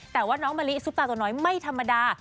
แต่ว่าน้องมะลิซุปตาตัวน้อยไม่ธรรมดา